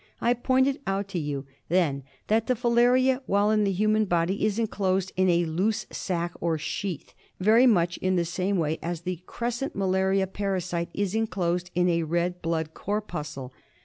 I pointed out to you then that the filaria while in the human body is enclosed in a loose sac or sheath, very much in the same way as the crescent malaria parasite is enclosed in a red blood corpuscle.